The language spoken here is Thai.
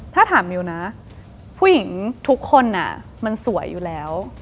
ถ้าถามนิวนะผู้หญิงทุกคนมันสวยอยู่แล้ว